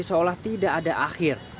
seolah tidak ada akhir